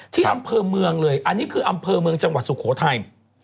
ที่อำเภอเมืองเลยอันนี้คืออำเภอเมืองจังหวัดสุโขทัย